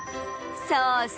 そうそう。